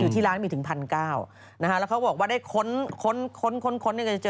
ที่ร้านมีถึง๑๙๐๐บาทแล้วเขาบอกว่าได้ค้นจะเจอ